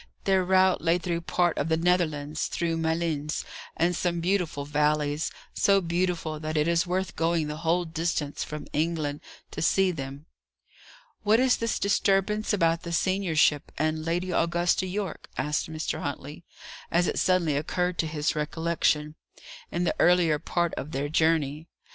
Their route lay through part of the Netherlands, through Malines, and some beautiful valleys; so beautiful that it is worth going the whole distance from England to see them. "What is this disturbance about the seniorship, and Lady Augusta Yorke?" asked Mr. Huntley, as it suddenly occurred to his recollection, in the earlier part of their journey.